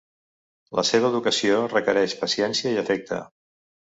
La seva educació requereix paciència i afecte.